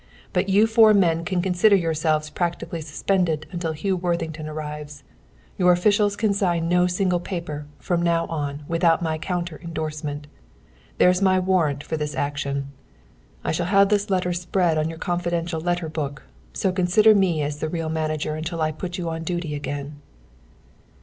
But you four men can consider yourselves practically suspended until Hugh Worthington arrives. You officials can sign no single paper, from now on, without my counter endorsement. There's my warrant for this action. I shall have this letter spread on your confidential letter book, so consider me as the real manager until I put you on duty again."